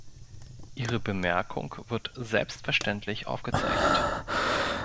Ihre Bemerkung wird selbstverständlich aufgezeichnet.